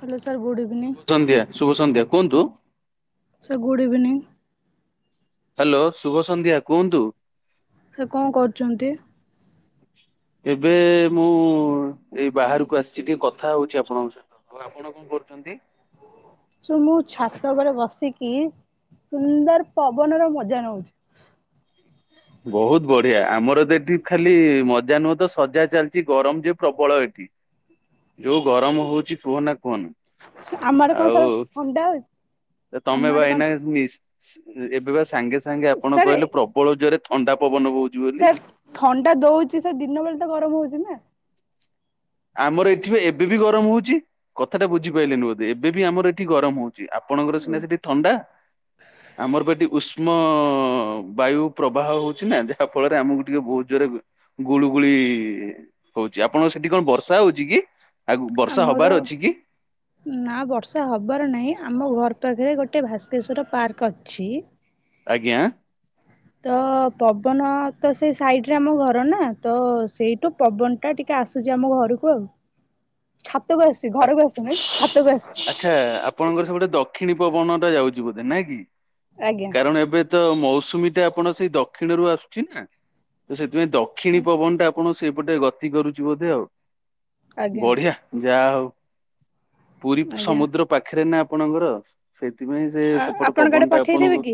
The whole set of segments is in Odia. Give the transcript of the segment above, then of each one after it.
ହଲୋ ଶୁଭ ସନ୍ଧ୍ୟା ଶୁଭ ସନ୍ଧ୍ୟା। କୁହନ୍ତୁ? Sir good evening. ହ୍ୟାଲୋ ଶୁଭ ସନ୍ଧ୍ୟା କୁହନ୍ତୁ? ସାର୍ କଣ କରୁଛନ୍ତି? ଏବେ ମୁଁ ଏଇ ବାହାରକୁ ଆସିଛି ଟିକେ କଥା ହଉଛି ଆପଣଙ୍କ ସହିତ ଆପଣ କଣ କରୁଛନ୍ତି? ସାର୍ ମୁଁ ଛାତ ଉପରେ ବସିକି ସୁନ୍ଦର ପବନ ର ମଜା ନଉଛି। ବହୁତ ବଢିଆ ଆମର ତ ଏଠି ଖାଲି ମଜା ନୁହେଁ ତ ସଜା ଚାଲିଛି ଗରମ ଯେ ପ୍ରବଳ ଏଠି। ଯୋଉ ଗରମ ହଉଛି କୁହନା କୁହନା ଆମ ଆଡେ କଣ ସାର୍ ଥଣ୍ଡା ହଉଛି? ଆଉ ଆମ ତମେ ଆଡେ କଣ ଭାଇନା ଏବେ ବା ସାଙ୍ଗେ ସାଙ୍ଗେ ଆପଣ ସାର୍ କହିଲେ ପ୍ରବଳ ଜୋରେ ଥଣ୍ଡା ପବନ ବହୁଛି ବୋଲି। ସାର୍ ଥଣ୍ଡା ଦଉଛି ସେ ଦିନ ବେଳେ ତ ଗରମ ହଉଛି ନା। ଆମର ଏଠି ଏବେ ବି ଗରମ ହଉଛି କଥାଟା ବୁଝିପାରିଲନି ବୋଧେ ଏବେ ବି ଆମର ଏଠି ଗରମ ହଉଛି। ଆପଣଙ୍କର ସିନା ସେଠି ଥଣ୍ଡା ଆମର ପା ଏଠି ଉଷ୍ମ। ମ ବାୟୁ ପ୍ରବାହ ହଉଛି ନା ଯାହା ଫଳରେ ଆମକୁ ଟିକେ ବହୁତ ଜୋରେ ଗୁଳୁଗୁଳି ହଉଛି ଆପଣ ସେଠି କଣ ବର୍ଷ ବଷା ହଉଛି କି? ଆମର ଅଛି କି? ନା ବର୍ଷା ହବାର ନାହିଁ ଆମ ଘର ପାଖରେ ଗୋଟେ ଭାସ୍କେଶ୍ଵର ପାର୍କ ଅଛି। ଆଜ୍ଞା। ତ ପବନ ତ ସେଇ ସାଇଡ ରେ ଆମ ଘର ନା ତ ସେଇଠୁ ପବନ ଟା ଟିକେ ଆସୁଛି ଆମ ଘରକୁ ଆଉ। ଆସୁଛି ଘରକୁ ଆସୁନି ଛାତକୁ ଆସୁଛି। ଆଚ୍ଛା ଆପଣଙ୍କର ସେ ପଟେ ଦକ୍ଷିଣୀ ପବନ ଟା ଯାଉଛି। ନାହିଁ କି। ଆଜ୍ଞା କାରଣ ଏବେ ତ ମଉସ ମୌସୁମୀ ଟା ଆପଣ ସେଇ ଦକ୍ଷିଣ ର ଆସୁଛି ନା। ତ ସେଥିପାଇଁ ଦକ୍ଷିଣୀ ପବନ ଟା କୌଣସି ଏପଟେ ଗତି କରୁଛି ବୋଧେ ଆଉ। ଆଜ୍ଞା ବଢିଆ ଯାହା ହଉ। ପୁରୀ ଆଜ୍ଞା ସମୁଦ୍ର ପାଖରେ ନା ଆପଣଙ୍କ ଘର ସେଥିପାଇଁ ସେ ଆ ସେପଟ ଆପଣଙ୍କ ଆଡେ ପବନ ଟା ପଠେଇଦେବେ କି?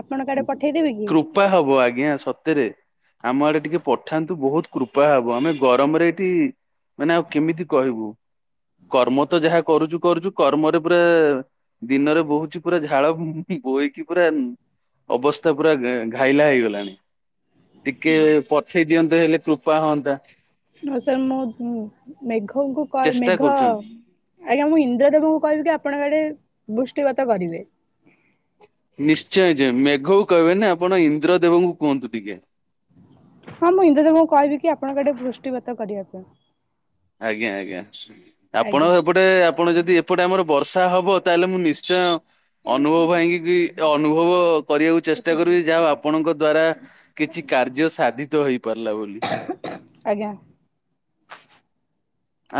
ଆପଣଙ୍କ ଆଡେ ପଠେଇଦେବେ କି? କୃପା ହବ ଆଜ୍ଞା ସତରେ ଆମ ଆଡେ ଟିକେ ପଠାନ୍ତୁ ବହୁତ। କୃପା ହବ ଆମେ ଗରମରେ ଏଇଠି ମାନେ ଆଉ କେମିତି କହିବୁ। କର୍ମ ତ ଯାହା କରୁଛୁ କରୁଛୁ କର୍ମରେ ପୁରା ଦିନରେ ବୋହୁଛି ପୁରା ଝାଳ ବୋହିକି ପୁରା ଅବସ୍ଥା ପୁରା ଘାଇଲା ହେଇଗଲାଣି। ଟିକେ ପଠେଇ ଦିଅନ୍ତେ ହେଲେ ପ୍ରୁ ହଁ ସାର୍ ମୁଁ ମେଘଙ୍କୁ ଚେଷ୍ଟା ମେଘ କରୁଛନ୍ତି। ଆଜ୍ଞା ମୁଁ ଇନ୍ଦ୍ର ଦେବଙ୍କୁ କହିବି କି ଆପଣଙ୍କ ଆଡେ ବୃଷ୍ଟିପାତ କରିବେ ନିଶ୍ଚୟ ମେଘକୁ କହିବେନି ଆପଣ ଇନ୍ଦ୍ର ଦେବଙ୍କୁ କୁହନ୍ତୁ ଟିକେ ହଁ ମୁଁ ଇନ୍ଦ୍ର ଦେବଙ୍କୁ କହିବି କି ଆପଣଙ୍କଆଡେ ବୃଷ୍ଟିପାତ କରିବା ପାଇଁ ଆଜ୍ଞା ଆଜ୍ଞା ଆପଣ ଆଜ୍ଞା। ଏପଟେ ଆପଣ ଯଦି ଏପଟେ ଆମର ବର୍ଷା ବର୍ଷା ହବ ତାହେଲେ ମୁଁ ନିଶ୍ଚୟ ଅନୁଭବ ଭାଇ ଙ୍କି ଅନୁଭବ କରିବାକୁ ଚେଷ୍ଟା କରିବି ଯାହା ଆପଣଙ୍କ ଦ୍ଵାରା କିଛି କାର୍ଯ୍ୟ ସାଧିତ ହେଇପାରିଲା ବୋଲି। ଆଜ୍ଞା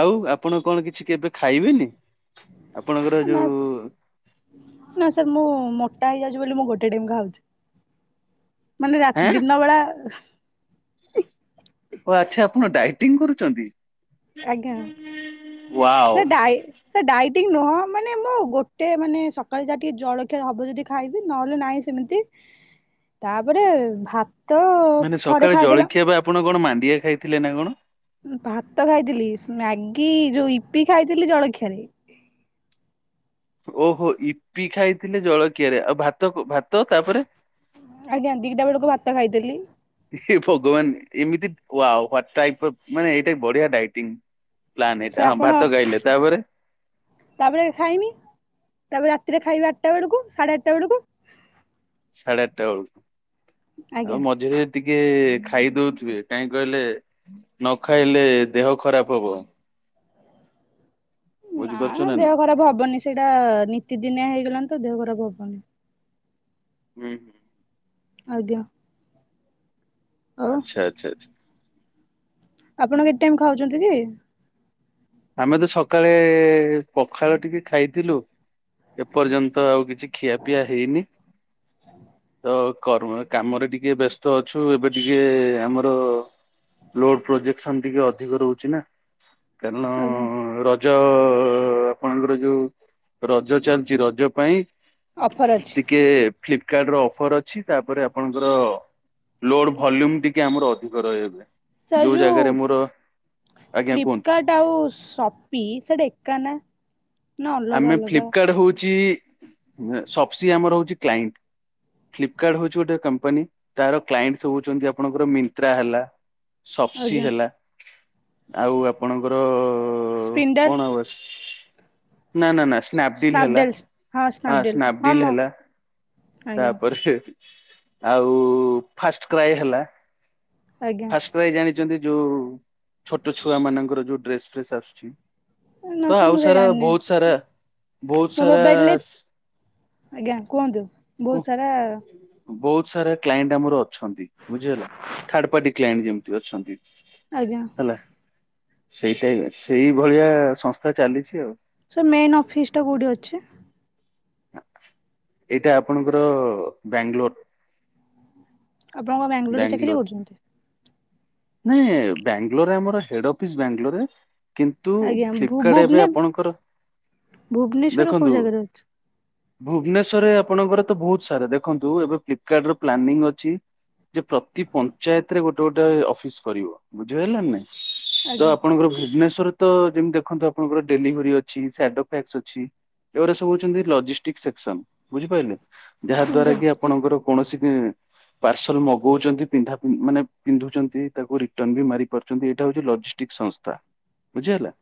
ଆଉ ଆପଣ କଣ କିଛି କେବେ ଖାଇବେନି? ଆପଣଙ୍କର ନା ଯୋଉ ନା ସାର୍ ମୁଁ ମୋଟା ହେଇଯାଉଛି ବୋଲି ମୁଁ ଗୋଟେ ଟାଇମ ଖାଉଛି। ମାନେ ହେଁ ରାତି ଦିନ ବେଳା ଡାଏଟିଂ କରୁଛନ୍ତି। ଆଜ୍ଞା wow. Sir diet sir diet dieting ନୁହଁ ମାନେ ମୁଁ ଗୋଟେ ମାନେ ସକାଳେ ଯାହା ଟିକେ ଜଳଖିଆ ହବ ଯଦି ଖାଇବି ନହେଲେ ନାହିଁ ସେମିତି ତାପରେ ଭାତ ମାନେ ଥରେ ସକାଳେ ଖାଇଦେଲା ଜଳଖିଆ ବା ଆପଣ କଣ ମା ମାଣ୍ଡିଆ ଖାଇଥିଲେ ନା କଣ? ଭାତ ଖାଇଥିଲି ମ୍ୟାଗି ଯୋଉ ଇପି ଖାଇଥିଲି ଜଳଖିଆରେ ଓହୋ ଇପି ଖାଇଥିଲେ ଜଳକିଆରେ ଆଉ ଭାତ ଭାତ ତାପରେ ଆଜ୍ଞା ଦିିଇଟା ବେଳକୁ ଭାତ ଖାଇ ଦିଲ୍ଲୀ [inaudible] ହେ ଭଗବାନ ଏମିତି ୱାଓ ୱାଟ ଟାଇପ୍ ଏ ମାନେ ଏଇଟା ବଢିଆ ଡାଇଟିଙ୍ଗ। ସାର୍ ଆପଣ ତାପରେ ଖାଇନି ତାପରେ ତିରେ ଖାଇବେ ଆଠଟା ବେଳକୁ ସାଢେ ଆଠଟା ବେଳକୁ ସାଢେ ଆଠଟା ବେଳକୁ ଆଜ୍ଞା ଆଉ ମଝିରେ ଟିକେ ଖାଇଦଉଥିବେ କାହିଁକି କହିଲେ ନ ଖାଇଲେ ଦେହ ଖରାପ ହବ ନା ବୁଝିପାରୁଛ ମ ଦେହ ନାଇଁ? ଖରାପ ହବନି ସେଇଟା ନୀତିଦିନିଆ ହେଇ ଲାଣି ତ ଦେହ ଖରାପ ହବନି ହୁଁ ହୁଁ। ଆଜ୍ଞା। ଆଉ ଆଚ୍ଛା ଆଚ୍ଛା ଆପଣ କେତେ ଟାଇମ ଖାଉଛନ୍ତି କି? ଆମେ ତ ସକାଳେ ପଖାଳ ଟିକେ ଖାଇଥିଲୁ ଏପର୍ଯ୍ୟନ୍ତ ଆଉ କିଛି ଖିଆ ପିଆ ହେଇନି ତ କାମରେ ଟିକେ ବ୍ୟସ୍ତ ଅଛୁ ଏବେ ଟିକେ ଆମର ଲୋଡ ପ୍ରୋଜେକ୍ସନ ଟିକେ ଅଧିକ ରହୁଛି ନା କାରଣ ଆଜ୍ଞା ର ଯ ଆପଣଙ୍କର ଯୋଉ ରଜ ଚାଲିଚ ରଜ ପାଇଁ ଅଫର ଅଛି। ଟିକେ ଫ୍ଲିପକାର୍ଟ ର ଅଫର ଅଛି ତାପରେ ଆପଣଙ୍କର ଲୋଡ ଭଲ୍ୟୁମ ଟିକେ ଆମର ଅଧିକ ରହବେ ଯୋଉ ଜାଗାରେ ମୋର ଆଜ୍ଞା କୁହନ୍ତୁ। ଫ୍ଲିପକାର୍ଟ ଆଉ ସଫ ସି ସେଟା ଏକ ନା ନା ଅଲଗା ଆମେ ଅଲଗା ଫ୍ଲିପକାର୍ଟ ହଉଛୁ ଚି ସଫସି ଆମର ହଉଛି କ୍ଲାଇଣ୍ଡ ଫ୍ଲିପ କାର୍ଡ ହଉଛି ଗୋଟେ କମ୍ପାନୀ ତାର କ୍ଲାଇଣ୍ଡ ସବୁ ହଉଛନ୍ତି ଆପଣଙ୍କର ମି୍ନ୍ତ୍ରା ହେଲା ସପ୍ସି ଆଜ୍ଞା ହେଲା ଆଉ ଆପଣଙ୍କର ଓ ସ୍ପିଣ୍ଡର କଣ ହବ? ନା ନା ନା ସ୍ନାପଡିଲ୍ ହେଲା ସ୍ନାପଡେଲ ହଁ ସ୍ନାପଡେଲ ହଁ ସ୍ନାପଡିଲ୍ ମ ହେଲା ଆଜ୍ଞା ତାପରେ ଆଉ ଫାଷ୍ଟ କ୍ରାଏ ହେଲା ଆଜ୍ଞା ଫାଷ୍ଟ କ୍ରାଏ ଜାଣିଛନ୍ତି ଯୋଉ ଛୋଟ ଛୁଆ ମାନଙ୍କର ଯୋଉ ଡ୍ରେସ ଫ୍ରେସ୍ ଆସୁଛି। ନା ସାର୍ ମୁଁ ସେରା ଜାଣିନି। ସ ବହୁତ ମୋ ସାରା ମୋବାଇଲରେ ଆଜ୍ଞା କୁହନ୍ତୁ। ବୋହୁତ ସାରା ବୋହୁତ ସାରା କ୍ଲାଇଣ୍ଡ ଆମର ଅଛନ୍ତି ବୁଝିହେଲା। ଥାର୍ଡ ପାର୍ଟି କ୍ଲାଇଣ୍ଡ ଯେମତି ଅଛନ୍ତି। ଆଜ୍ଞା। ସେଇ ଟାଇପର ସେଇ ଭଳିଆ ସଂସ୍ଥା ଚାଲିଚି ଆଉ। ସେ ମେନ ଅଫିସଟା କୋଉଠି ଅଛି? ଏଇଟା ଆପଣଙ୍କର ବ୍ୟାଙ୍ଗଲୋର। ଆପଣ କଣ ବ୍ୟାଙ୍ଗଲୋରେ ଚାକିରି କରୁଚନ୍ତି? ନାଇଁ ବ୍ୟାଙ୍ଗଲୋରରେ ଆମର ହେଡ ଅଫିସ୍ ବ୍ୟାଙ୍ଗଲୋରରେ। ଆଜ୍ଞା ଭୁ ଭୁବନେ ଭୁବନେଶ୍ୱରର କୋଉ ଦେଖନ୍ତୁ ଜାଗାରେ ଅଛ୍ ଭୁବନେଶ୍ୱରରେ ଆପଣଙ୍କର ତ ବୋହୁତ ସାରା ଦେଖନ୍ତୁ ଏବେ ଫ୍ଲିପକାଡ଼ର ର ପ୍ଲାନିଂ ଅଛି ଯେ ପ୍ରତି ପଞ୍ଚାୟତରେ ଗୋଟେ ଗୋଟେ ଅଫ୍ ଫିସ୍ କରିବ ବୁଝିହେଲା ନାଇଁ? ତ ଆଜ୍ଞା ଆପଣଙ୍କର ଭୁବନେଶ୍ଵର ତ ଯେମତି ଦେଖନ୍ତୁ ଆପଣଙ୍କର ଡେଲିଭରି ଅଛି ସ୍ୟାଡୋ ଫ୍ୟାକ୍ସ ଅଛି ଏଗୁରା ସବୁ ହୋଉଛନ୍ତି ଲଜିଷ୍ଟିକ ସେକ୍ସନ ବୁଝିପାରିଲେ? ଯାହା ଦ୍ଵାରା ଆଜ୍ଞା କି ଆପଣଙ୍କର କୌଣସି କି ପାର୍ସଲ ମଗଉଚନ୍ତି ପିନ୍ଧା ମାନେ ପିନ୍ଧୁଚନ୍ତି। ତାକୁ ରିଟର୍ନ ବି ମାରି ପାରୁଚନ୍ତି। ଏଇଟା ହୋଉଚି ଲଜିଷ୍ଟିକ ସଂସ୍ଥା ବୁଝିହେଲା?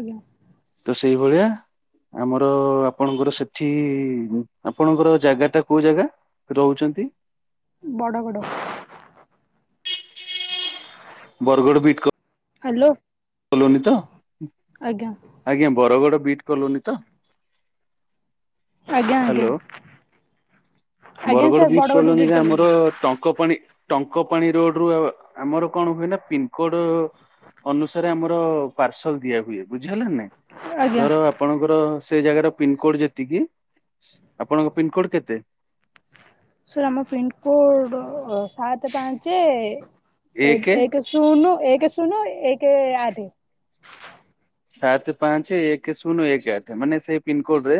ଆଜ୍ଞା। ସେଇ ଭଳିଆ ଆମର ଆପଣଙ୍କର ସେଠି ଆପଣଙ୍କର ଜାଗାଟା କୋଉ ଜାଗା ରହୁଚନ୍ତି? ବଡ଼ ବଡ଼ ବରଗଡ଼ ବିିଟ କ ହାଲୋ। କଲୋନି ତ? ଆଜ୍ଞା ବରଗଡ଼ ବିଟ କଲୋନୀ ତ? ଆଜ୍ଞା ଆଜ୍ଞା ହାଲୋ ଆଜ୍ଞା ବରଗଡ଼ ସାର୍ ବିଟ ବଡଗଡ ରୁ ଡିଲିଟ କଲୋନୀରେ ଆମର କଲିଣି ଟଙ୍କପାଣି ଟଙ୍କପାଣି ରୋଡରୁ ଆଉ ଆମର କଣ ହୁଏ ନାଁ ପିନକୋଡ ଅନୁସା ସାରେ ଆମର ପାର୍ସଲ ଦିଆ ହୁଏ। ବୁଝି ହେଲା ନାଁ ନାହିଁ? ଆଜ୍ଞା ଧର ଆପଣଙ୍କର ସେଇ ଜାଗାର ପିନକୋଡ଼ ଯେତିକି ଆପଣଙ୍କ ପିନକୋଡ଼ କେତେ? ସାର୍ ଆମ ପିନକୋଡ଼ ସାତେ ପାଞ୍ଚେ ଏ ଏକ ଏକେ ଶୁନୁ ଏକେ ଶୁ ଶୁନୁ ଏକେ ଆଠେ। ସାତେ ପାଞ୍ଚେ ଏକେ ଶୂନୁ ଏକେ ଆଠେ ମାନେ ସେଇ ପିନକୋଡରେ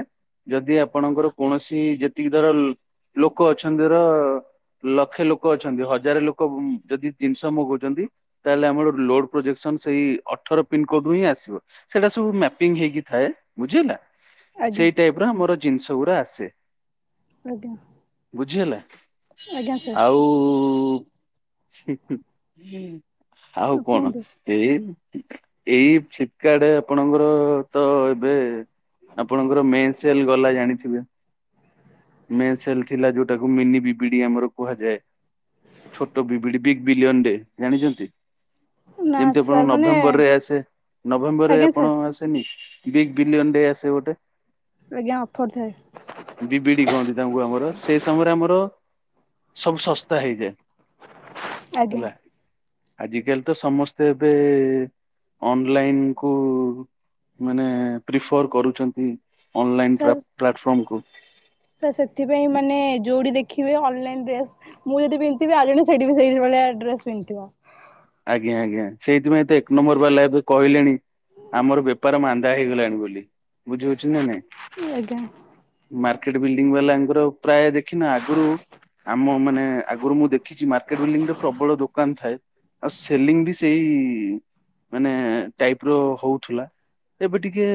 ଯଦି ଆପଣଙ୍କର କୌଣସି ଯେତିକି ଧର ଲୋ ଲୋକ ଅଛନ୍ତି ଧର ଲକ୍ଷେ ଲୋକ ଅଛନ୍ତି ହଜାରେ ଲୋକ ଉ ଯଦି ଜିନିଷ ମଗଉଚନ୍ତି ତାହେଲେ ଆମର ଲୋଡ ପ୍ରୋଜେକ୍ସନ ସେଇ ଅଠର ପିିନକୋଡରୁୁ ହିଁ ଆସିବ। ସେଟା ସବୁ ମ୍ୟାପିଙ୍ଗ ହେଇକି ଥାଏ। ବୁଝିହେଲା? ଆଜ୍ଞା ସେଇ ଟାଇପର ଆମର ଜିନିଷଗୁରା ଆସେ। ଆଜ୍ଞା। ବୁଝି ହେଲା? ଆଜ୍ଞା ସାର୍ ଆଉ [unintelligible] ଆଉ କଣ କୁହନ୍ତୁ ସେ ଏଇ ଏକା ଆଡେ ଆପଣଙ୍କର ତ ଏବେ ଆପଣଙ୍କର ମେ ସେଲ ଗଲା ଜାଣିଥିବେ ମେ ସେଲ ଥିଲା ଯୋଉଟାକୁ ମିନିିବିବିଡି ଆମର କୁହାଯାଏ। ଛୋଟ ବିବିଡ଼ି ବି ବିଲୟନ ଡେ ଜାଣିଛନ୍ତି? ନା ଯେମତି ଆପଣଙ୍କୁ ସାର୍ ମାନେ ନଭେମ୍ବରରେ ଆସେ। ନଭେମ୍ବର ରେ ଆଜ୍ଞା ଆପଣ ସାର୍ ଆସେନି? ବିଗ ବିିଲୟନ ଡେ ଆସେ ଗୋଟେ। ଆଜ୍ଞା ଅଫର୍ ଥାଏ ବିବିଡି କହନ୍ତି ତାଙ୍କୁ ଆମର ସେଇ ସମୟରେ ଆମର ସବୁ ଶସ୍ତା ହେଇଯାଏ। ଆଜ୍ଞା ହେଲା। ଆଜିକାଲି ତ ସମସ୍ତେ ଏବେ ଅନଲାଇନ କୁ ମାନେ ପ୍ରିଫର କରୁଛନ୍ତି। ଅନଲାଇନ୍ ପ୍ଲାଟଫର୍ମକୁ ସେ ସେଥିପାଇଁ ମାନେ ଯୋଉଟି ଦେଖି ଦେଖିବି ଅନଲାଇନ୍ ଡ୍ରେସ୍ ମୁଁ ଯଦି ପିନ୍ଧିଥିବି ଆଉ ଜଣେ ସେଇଠି ବି ସେଇ ଭଳିଆ ଡ୍ରେସ୍ ପିନ୍ଧିଥିବ। ଆଜ୍ଞା ଆଜ୍ଞା ସେଇଥିପାଇଁ ତ ଏକ ନମ୍ବର ବାଲା ଏବେ କହିଲେଣି। ଆମର ବେପାର ମାନ୍ଦା ମାନ୍ଦା ହେଇଗଲାଣି ବୋଲି । ବୁଝି ହଉଛି ନା ନାଇଁ ଆଜ୍ଞା ମାକେ ମାର୍କେଟ ବିଲଡିଂ ବାଲାଙ୍କର ପ୍ରାୟ ଦେଖିନ ଆଗରୁ ଆମ ମାନେ ଆଗରୁ ମୁଁ ଦେଖିଛି ମାର୍କେଟ ବିଲଡିଂ ରେ ପ୍ରବଳ ଦୋକାନ ଥାଏ । ଆଉ ସେଲିଙ୍ଗ ବି ସେଇ ମାନେ ଟାଇପ ର ହଉଥିଲା ଏବେ ଟିକେ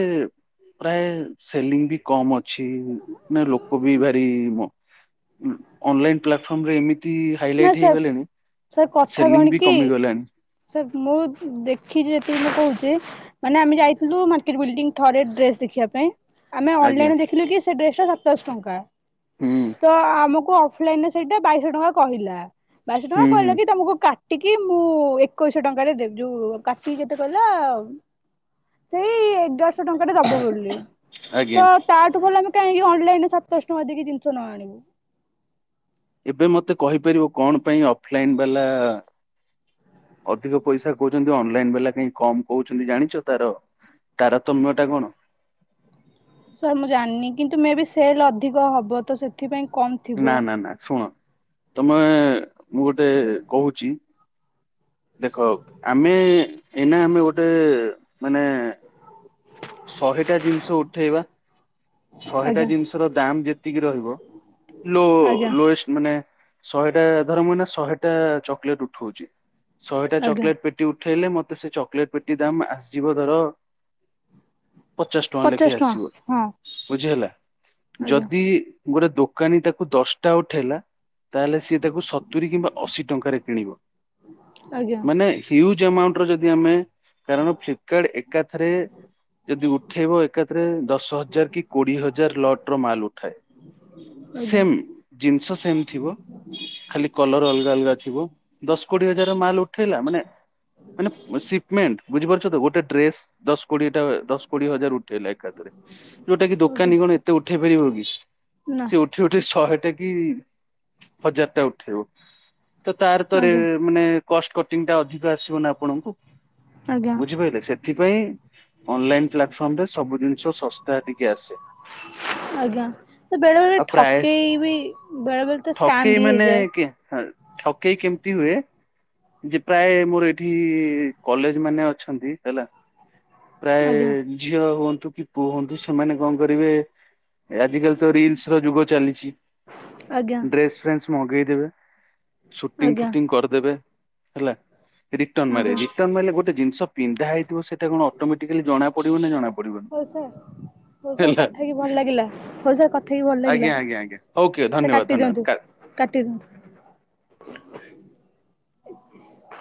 ପ୍ରାୟ ସେଲିଙ୍ଗ ବି କମ ଅଛି । ଅଛି ନା ଲୋକ ବି ଭାରି ଅନଲାଇନ ପ୍ଲାଟଫର୍ମ ରେ ଏମିତି ଏମିତି ନା ହାଇଲାଇଟ ସାର୍ ହେଇଗଲେଣି ସାର୍ କଥା ସେଲିଂ କଣ ବି କି କମିଗଲାଣି ସେ ମୁଁ ଦେଖିଛି ଯେତିକି ମୁଁ କହୁଛି ମାନେ ଆମେ ଯାଇଥିଲୁ ମାର୍କେଟ ବିଲଡିଂ ଥରେ ଡ୍ରେସ ଦେଖିବା ପାଇଁ ଆମେ ଆଜ୍ଞା ଅନଲାଇନରେ ଦେଖିଲୁ କି ସେ ଡ୍ରେସ୍ ଟା ସାଆ ସାତଶ ଟଙ୍କା। ହୁଁ ତ ଆମକୁ ଅଫଲାଇନ ରେ ସେଇଟା ବାଇଶହ ଟଙ୍କା କ କହିଲା। ବାଇଶହ ଟଙ୍କା ହୁଁ କହିଲା ହୁଁ କି ତମକୁ କାଟି ଟିକିଏ ମୁଁ ଏକୋଇଶହ ଟଙ୍କାରେ ଦେବି ଯୋଉ କାଟି କେତେ କହିଲା ସେଇ ଏଗାର ଟଙ୍କା ଟା ଦବ ଆଜ୍ଞା ବୋଲିତ ତାଠୁ ଭଲ ଆମେ କାହିଁକି ଅନଲାଇନ ରେ ସାତଶ ଟଙ୍କା ଦେଇକି ଜିନିଷ ନ ଆଣିବୁ। ଏବେ ମତେ କହିପାରିବ କଣ ପାଇଁ ଅଫଲାଇନ ବାଲା ଅଧିକ ପଇସା କହୁଛନ୍ତି। ଅନଲାଇନ ବାଲା କହିଁ କମ କହୁଛନ୍ତି ଜାଣିଛ ତାର ତାରତମ୍ୟ ଟା କଣ। ସାର୍ ମୁଁ ଜାଣିନି କିନ୍ତୁ ମେ ବି ସେଲ୍ ଅଧିକ ହେବ ତ ସେଥିପାଇଁ କମ୍ ନା ଥିବ ନା ନା ଶୁଣ। ତମେ ମୁଁ ଗୋଟେ କହୁଛି ଦେଖ ଆମେ ଏଇନା ଆମେ ଗୋଟେ ମାନେ ଶହେଟା ଜିନିଷ ଉଠେଇବା ଶହେଟା ଆଜ୍ଞା ଜିନିଷ ର ଦାମ ଯେ ରହିବ ଲୋ ଆଜ୍ଞା ଲୋଏଷ୍ଟ ମାନେ ଶହେଟା ଧର ମୁ ଶହେଟା ଚକୋଲେଟ ଉଠଉଛି ଶହୋ ଆଜ୍ଞା ଚକଲେଟ ପେଟି ଉଠ ଉଠେଇଲେ ମତେ ସେ ଚକୋଲେଟ ପେଟି ଦାମ ଆସିଯିବ ଧର ପଚାଶ ଟଙ୍କା ଲେଖେ ଆସିବ ବୁଝି ହେଲା। ଆଜ୍ଞା ଯଦି ଗୋଟେ ଦୋକାନୀ ତାକୁ ଦଶଟା ଉଠେଇଲା ତାହେଲେ ସିଏ ତାକୁ ସତୁୁରୀ କିମ୍ବା ଅଶୀ ଟଙ୍କାରେ କିଣିବ। ଆଜ୍ଞା ମାନେ ହିଉଜ ଜ ଏମାଉଣ୍ଟର ଯଦି ଆମେ କାରଣ ଫ୍ଲିପକାର୍ଟ ଏକାଥରେ ଯଦି ଉଠେଇବ ଏକାଥରେ ଦଶ ହଜାର କି କୋଡିଏ ହଜାର ଲଟ ର ମାଲ ଉଠାଏ ଆଜ୍ଞା ସେମ୍ ଜିନି ସ ସେମିତି ଥିବ ଖାଲି କଲର ଅଲଗା ଅଲଗା ଥିବ ଦଶ କୋଡିଏ ହଜାର ର ମାଲ ଉଠେଇଲା ମାନେ ମାନେ ସିପମେଣ୍ଟ ବୁଝି ପାରୁଛ ତ ଗୋଟେ ଡ୍ରେସ ଦଶ କୋଡିଏ ଟା ଦଶ କୋଡିଏ ହଜାର ଉଠେଇଲା ଏକାଥରେ ଯୋଉଟା କି ଆଜ୍ଞା ଦୋକାନୀ କଣ ଏତେ ଉଠେଇ ପାରିବ ପଶ ନା ସେ ଉଠି ଉଠି ଶହେଟା କି କି ହଜାର ଟା ଉଠେଇବ। ତ ତାର ତରେ ଆଜ୍ଞା ମାନେ କଷ୍ଟ କଟିଂ ଟା ଅଧିକ ଆସିବ ନା ଆପଣଙ୍କୁ। ଆଜ୍ଞା ବୁଝିପାରିଲେ ସେଥିପାଇଁ ଅନଲାଇନ୍ ପ୍ଲାଟଫର୍ମ ରେ ସବୁ ଜିନିଷ ଶସ୍ତା ଦି ଆଜ୍ଞା ବେଳେ ବେଳେ ଆଉ ପ୍ରାୟ ଠକେଇ ବି ଠକେଇ ମାନେ କି ଠକେଇ କେମିତି ହୁଏ ଯେ ପ୍ରାୟ ମୋର ଏଇଠି କଲେଜ ମାନେ ପ୍ରାୟ ଆଜ୍ଞା ଝିଅ ହୁଅନ୍ତ ତୁ କି କୁହନ୍ତୁ ସେମାନେ କଣ କରିବେ ଆଜିକାଲି ତ ରିଲସ ର ଯୁଗ ଚାଲିଛି ଆଜ୍ଞା ଡ୍ରେସ ଫ୍ରେସ ମଗେଇଦେବେ ସୁଟିଂ ଆଜ୍ଞା ଫୁଟିଂ କରିଦେବେ ହେଲା ରିଟର୍ଣ ମାରେ ଆଜ୍ଞା ରିଟର୍ଣ ମିଲ ଗୋଟେଜିନିଷ ପିନ୍ଧା ହେଥିବ ସେଟା କଣ ଅଟୋ ମେଟିକାଲି ଜଣା ପଡିବ ନା ଜଣାପଡିବନି ହଉ ସାର୍ ହଉ ସାର୍ ହେଲା କଥା ହେଇକି ଭଲ ଲାଗିଲା ହଉ ସାର୍ କଥା ହେଇକି ଭଲ ଲାଗିଲା ଆଜ୍ଞା ଆଜ୍ଞା ଓକେ ସାର୍ ଧନ୍ୟବାଦ କାଟି ଧନ୍ୟବାଦ ଦିଅନ୍ତୁ କା କାଟି ଦିଅନ୍ତୁ [inaudible]